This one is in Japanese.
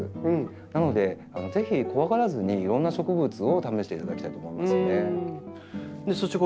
なのでぜひ怖がらずにいろんな植物を試していただきたいと思いますね。